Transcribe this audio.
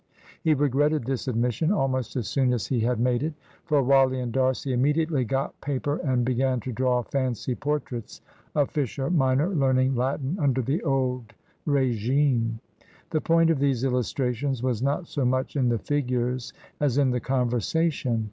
He regretted this admission almost as soon as he had made it. For Wally and D'Arcy immediately got paper and began to draw fancy portraits of Fisher minor learning Latin under the old regime. The point of these illustrations was not so much in the figures as in the conversation.